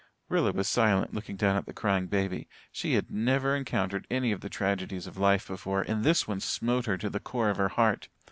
Rilla was silent, looking down at the crying baby. She had never encountered any of the tragedies of life before and this one smote her to the core of her heart.